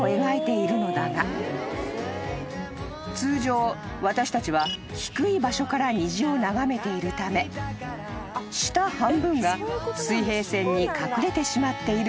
［通常私たちは低い場所から虹を眺めているため下半分が水平線に隠れてしまっているんだそう］